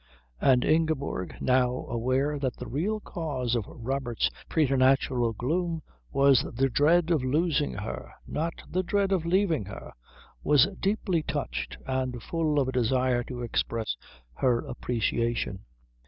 And Ingeborg, now aware that the real cause of Robert's preternatural gloom was the dread of losing her, not the dread of leaving her, was deeply touched and full of a desire to express her appreciation.